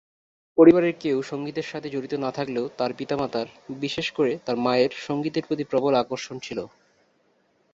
পরিবারের কেউ সঙ্গীতের সাথে জড়িত না থাকলেও তার পিতামাতার, বিশেষ করে তার মায়ের সঙ্গীতের প্রতি প্রবল আকর্ষণ ছিল।